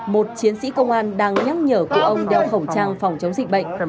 một chiến sĩ công an đang nhắc nhở cụ ông đeo khẩu trang phòng chống dịch bệnh